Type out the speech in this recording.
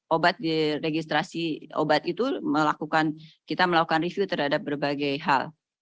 obat di registrasi obat itu kita melakukan review terhadap berbagai hal